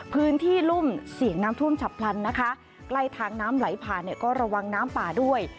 พื้นที่รุ่มเสี่ยงน้ำท่วมฉับพลันนะคะใกล้ทางน้ำไหลผ่านเนี่ยก็ระวังน้ำป่าด้วย